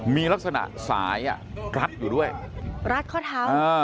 มีลักษณะสายอ่ะลัดอยู่ด้วยลัดเคาะเท้าอ่า